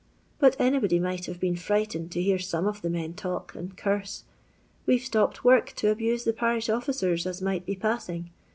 But anybody might have been fri^tened to bear some of the men talk and curse. We 'to stopped work to abuse the parish officers as might be passing.